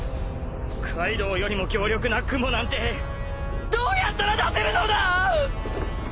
カイドウよりも強力な雲なんてどうやったら出せるのだ！？